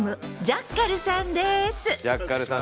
ジャッカルさん